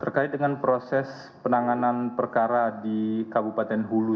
terkait dengan proses penanganan perkara di kabupaten hulu